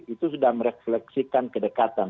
itu sudah merefleksikan kedekatan